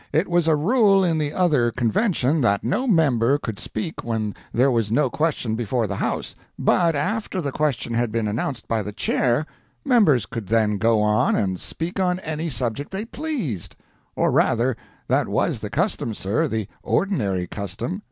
It was a rule in the other Convention that no member could speak when there was no question before the house; but after the question had been announced by the Chair, members could then go on and speak on any subject they pleased—or rather, that was the custom, sir—the ordinary custom."